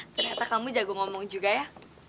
ternyata kamu jago ngomong juga ya